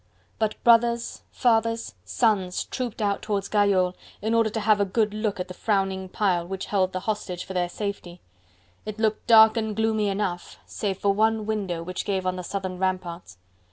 But brothers, fathers, sons trooped out towards Gayole, in order to have a good look at the frowning pile, which held the hostage for their safety. It looked dark and gloomy enough, save for one window which gave on the southern ramparts.